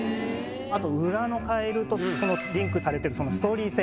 あと裏のカエルとリンクされてるストーリー性。